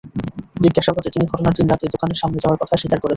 জিজ্ঞাসাবাদে তিনি ঘটনার দিন রাতে দোকানের সামনে যাওয়ার কথা স্বীকার করেছেন।